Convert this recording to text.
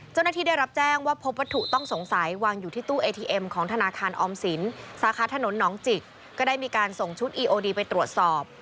เจ้าหน้าที่ได้รับแจ้งว่าพบวัตถุต้องสงสัยวางอยู่ที่ตู้เอทีเอ็มของธนาคารออมสินสาขาถนนหนองจิกก็ได้มีการส่งชุดอีโอดีไปตรวจสอบ